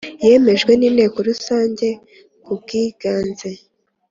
Yemejwe n inteko rusange kubwiganze